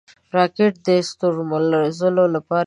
راکټ د ستورمزلو لپاره یوه نوې دروازه پرانیسته